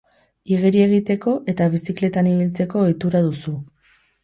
Igeri egiteko eta bizikletan ibiltzeko ohitura duzu.